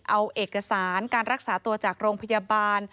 เอาเอกสารการรักษาตัวจากโรงพยาบาล